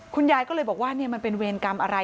คุณยายก็เลยบอกว่ามันเป็นเวรกรรมอะไร